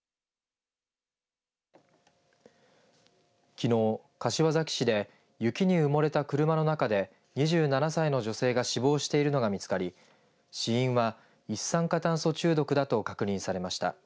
きのう、柏崎市で雪に埋もれた車の中で２７歳の女性が死亡しているのが見つかり死因は、一酸化炭素中毒だと確認されました。